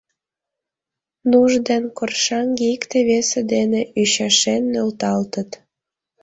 Нуж ден коршаҥге икте-весе дене ӱчашен нӧлталтыт.